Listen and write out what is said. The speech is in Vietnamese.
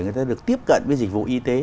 người ta được tiếp cận với dịch vụ y tế